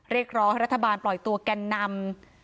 เรียกร้องให้รัฐบาลปล่อยตัวแกนนำ